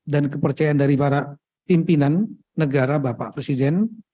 dan kepercayaan dari para pimpinan negara bapak presiden